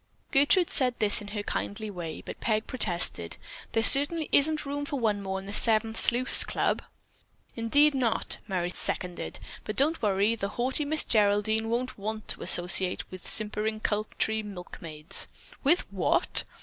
Gertrude said this in her kindly way, but Peg protested: "There certainly isn't room for one more in the Seven Sleuths' Club." "Indeed not!" Merry seconded. "But don't worry, the haughty Miss Geraldine won't want to associate with simpering country milkmaids." "_With what?